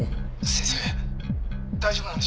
先生大丈夫なんでしょうか？